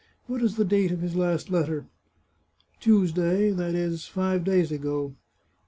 What is the date of his last letter?" " Tuesday ; that is five days ago."